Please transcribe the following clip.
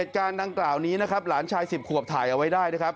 การดังกล่าวนี้นะครับหลานชาย๑๐ขวบถ่ายเอาไว้ได้นะครับ